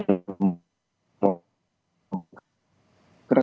hari ini kami bisa di hampir delapan